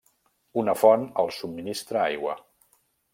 Una font els subministra aigua.